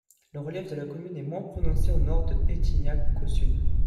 Le relief de la commune est moins prononcé au nord de Pétignac qu'au sud.